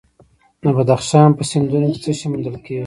د بدخشان په سیندونو کې څه شی موندل کیږي؟